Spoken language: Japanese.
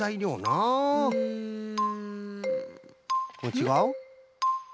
ちがう？